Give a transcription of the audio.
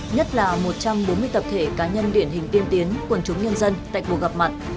nhất là một trăm bốn mươi tập thể cá nhân điển hình tiên tiến quần chúng nhân dân tại cuộc gặp mặt